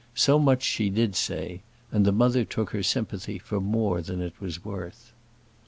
So much she did say; and the mother took her sympathy for more than it was worth.